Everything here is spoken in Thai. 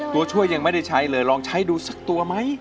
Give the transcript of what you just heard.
ตัวช่วยยังไม่ได้ใช้เลยลองใช้ดูสักตัวไหม